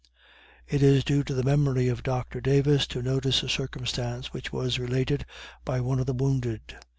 It is due to the memory of Doctor Davis to notice a circumstance which was related by one of the wounded.